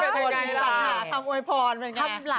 เป็นไงล่ะทำโอยพรเป็นไง